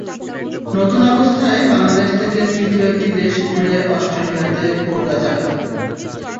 নতুন অবস্থায় বাংলাদেশ থেকে তৃতীয় একটি দেশ ঘুরে অস্ট্রেলিয়াতে কাের্গা যাবে।